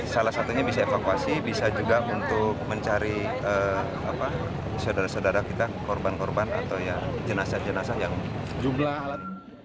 salah satunya bisa evakuasi bisa juga untuk mencari saudara saudara kita korban korban atau jenazah jenazah yang jumlah alat